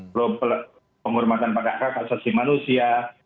pro penghormatan pada hak asasi manusia